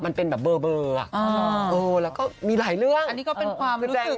มันเป็นแบบเบอร์เบอร์อ่าเออแล้วก็มีหลายเรื่องอันนี้ก็เป็นความรู้สึก